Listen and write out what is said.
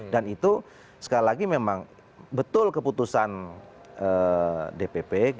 dan itu sekali lagi memang betul keputusan dpp